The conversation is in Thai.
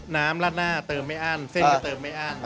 น้ำลาดหน้าเติมไม่อ้านเส้นก็เติมไม่อ้าน